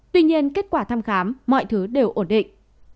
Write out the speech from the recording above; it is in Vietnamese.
tuy nhiên kết quả thăm khám mọi thứ đều ổn định